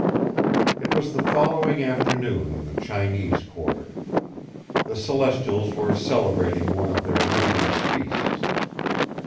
It was the following afternoon in the Chinese quarter. The Celestials were celebrating one of their numerous feasts.